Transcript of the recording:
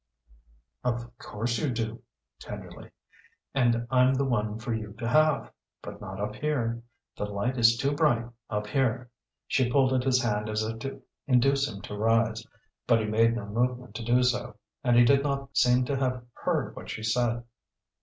"Of course you do," tenderly "and I'm the one for you to have. But not up here. The light is too bright up here." She pulled at his hand as if to induce him to rise. But he made no movement to do so, and he did not seem to have heard what she said.